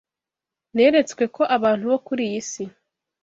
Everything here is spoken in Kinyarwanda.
neretswe ko abantu bo kuri iyi si